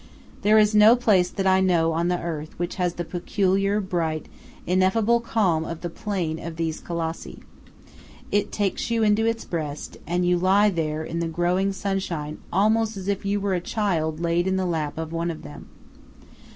There is no place that I know on the earth which has the peculiar, bright, ineffable calm of the plain of these Colossi. It takes you into its breast, and you lie there in the growing sunshine almost as if you were a child laid in the lap of one of them.